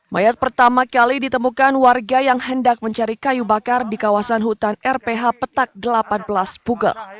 mayat pertama kali ditemukan warga yang hendak mencari kayu bakar di kawasan hutan rph petak delapan belas pugel